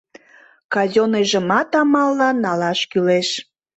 Казённыйжымат амаллан налаш кӱлеш.